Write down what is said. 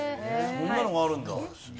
そんなのがあるんだ。